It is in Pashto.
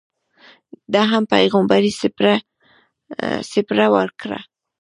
ده هم پیغمبري څپېړه ورکړه.